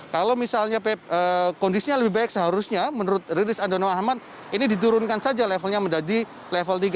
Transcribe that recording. kalau misalnya kondisinya lebih baik seharusnya menurut riris andono ahmad ini diturunkan saja levelnya menjadi level tiga